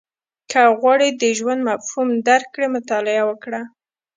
• که غواړې د ژوند مفهوم درک کړې، مطالعه وکړه.